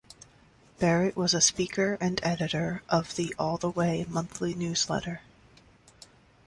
Barrett was a speaker and editor of the "All The Way" monthly newsletter.